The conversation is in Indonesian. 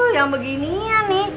yang beginian nih